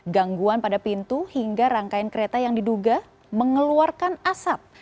gangguan pada pintu hingga rangkaian kereta yang diduga mengeluarkan asap